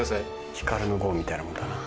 『ヒカルの碁』みたいなもんだな。